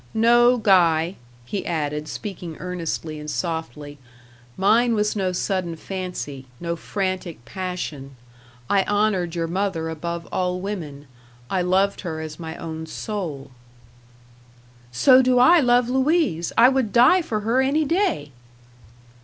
No, Guy," he added, speaking earnestly and softly, "mine was no sudden fancy, no frantic passion. I honoured your mother above all women. I loved her as my own soul." "So do I love Louise. I would die for her any day."